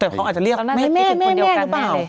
แต่เขาอาจจะเรียกแม่หรือเปล่า